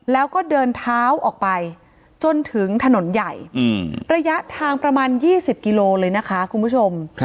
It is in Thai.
แล้วก็เดินเท้าออกไปจนถึงถนนใหญ่ระยะทางประมาณ๒๐กิโลเลยนะคะคุณผู้ชม